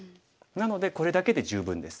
なのでこれだけで十分です。